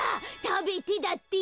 「食べて」だって。